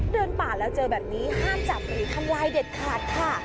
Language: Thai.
เดินป่าแล้วเจอแบบนี้ห้ามจับหรือทำลายเด็ดขาดค่ะ